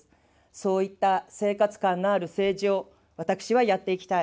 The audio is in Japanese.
そういった生活感のある政治を私はやっていきたい。